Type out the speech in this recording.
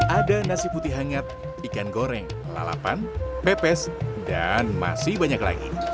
ada nasi putih hangat ikan goreng lalapan pepes dan masih banyak lagi